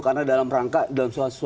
karena dalam rangka dalam suasana politik